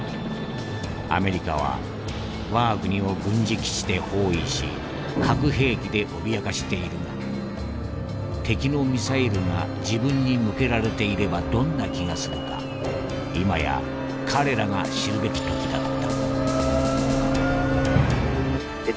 アメリカは我が国を軍事基地で包囲し核兵器で脅かしているが敵のミサイルが自分に向けられていればどんな気がするか今や彼らが知るべき時だった」。